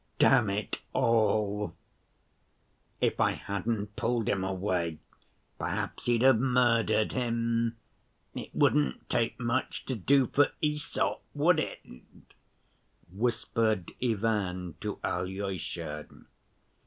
"Damn it all, if I hadn't pulled him away perhaps he'd have murdered him. It wouldn't take much to do for Æsop, would it?" whispered Ivan to Alyosha.